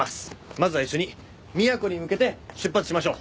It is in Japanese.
まずは一緒に宮古に向けて出発しましょう。